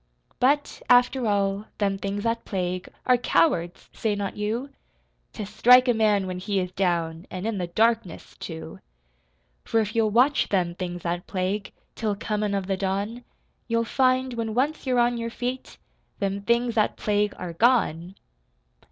But, after all, them things that plague Are cowards Say not you? To strike a man when he is down, An' in the darkness, too. For if you'll watch them things that plague, Till comin' of the dawn, You'll find, when once you're on your feet, Them things that plague are gone!